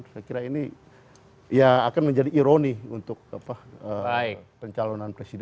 saya kira ini ya akan menjadi ironi untuk pencalonan presiden